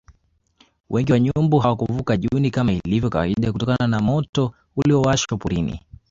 Wengi wa nyumbu hawakuvuka Juni kama ilivyo kawaida kutokana na moto uliowashwa porini